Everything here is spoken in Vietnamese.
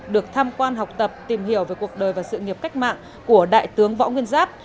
được tham quan học tập tìm hiểu về cuộc đời và sự nghiệp cách mạng của đại tướng võ nguyên giáp